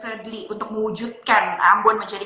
jadi disetujui jadi cita cita ambon berhasil